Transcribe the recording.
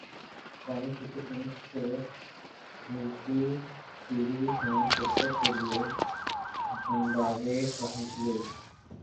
قومی cricket team سہ ملکی سیریز میں شرکت کے لیے زمبابوے پہنچ گئی